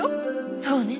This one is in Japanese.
そうね